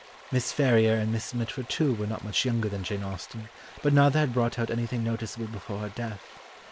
Miss Ferrier and Miss Mitford, too, were not much younger than Jane Austen, but neither had brought out anything noticeable before her death.